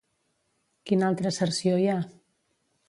Quin altre Cerció hi ha?